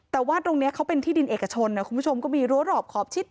แต่ว่าตรงนี้เขาเป็นที่ดินเอกชนนะคุณผู้ชมก็มีรั้วรอบขอบชิด